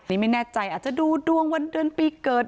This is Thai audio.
นี่ไม่แน่ใจอาจจะดูดวงวันเดือนปีเกิด